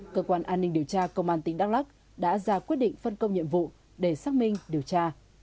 cơ quan an ninh điều tra công an tỉnh đắk lắc đã ra quyết định phân công nhiệm vụ để xác minh điều tra